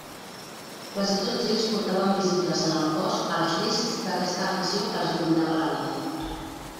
Quasi tots ells portaven visibles en el cos els riscs d'aquesta afició que els dominava la vida.